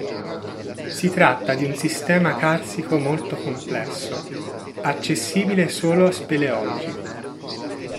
Si tratta di un sistema carsico molto complesso, accessibile solo a speleologi.